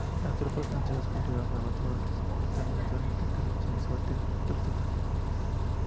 Las tropas francesas continuaron avanzando hasta conquistar Monzón e intentarlo sin suerte con Tortosa.